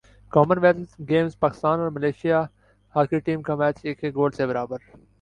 common wealth Games Pakistan اور Malaysia hockey team کا match ایک ایک گول سے برابر